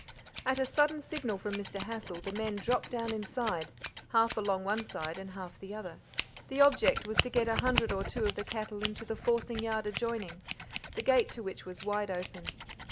At a sudden signal from Mr. Hassal the men dropped down inside, half along, one side and half the other. The object was to get a hundred or two of the cattle into the forcing yard adjoining, the gate to which was wide open.